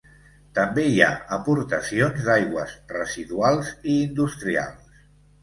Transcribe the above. També hi ha aportacions d'aigües residuals i industrials.